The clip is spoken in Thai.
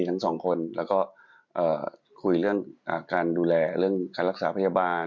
ทั้งสองคนแล้วก็คุยเรื่องการดูแลเรื่องการรักษาพยาบาล